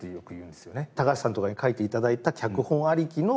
高橋さんとかに書いて頂いた脚本ありきの